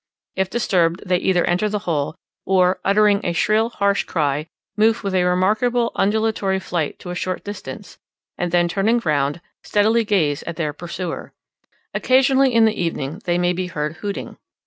If disturbed they either enter the hole, or, uttering a shrill harsh cry, move with a remarkably undulatory flight to a short distance, and then turning round, steadily gaze at their pursuer. Occasionally in the evening they may be heard hooting.